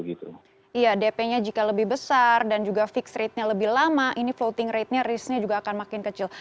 iya dp nya jika lebih besar dan juga fixed rate nya lebih lama ini floating rate nya risk nya juga akan makin kecil